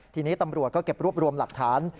ทีนี้ตำรวจก็เก็บรวบรวมหลักฐาน